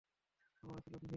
আমরা ছিলাম ভিন্ন।